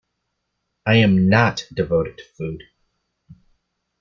I am not devoted to food!